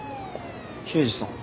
刑事さん。